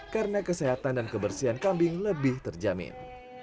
karena kesehatan dan kebersihan kambing lebih terjamin